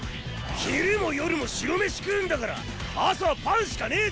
昼も夜も白飯食うんだから朝はパンしかねえだろ！